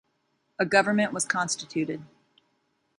A government was constituted.